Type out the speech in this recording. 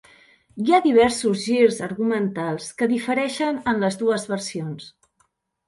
Hi ha diversos girs argumentals que difereixen en les dues versions.